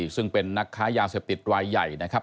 ซึ่งเป็นนักค้ายาเสพติดรายใหญ่นะครับ